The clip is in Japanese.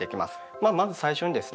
まあまず最初にですね